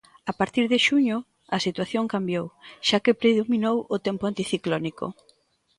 A partir de xuño, a situación cambiou, xa que predominou o tempo anticiclónico.